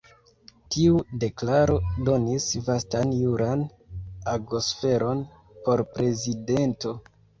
Tiu deklaro donis vastan juran agosferon por prezidento..